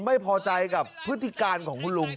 ไม่พอใจกับพฤติการของคุณลุง